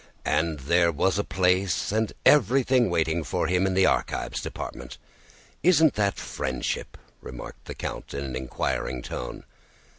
And there was a place and everything waiting for him in the Archives Department! Isn't that friendship?" remarked the count in an inquiring tone.